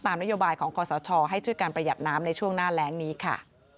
นโยบายของคอสชให้ช่วยการประหยัดน้ำในช่วงหน้าแรงนี้ค่ะ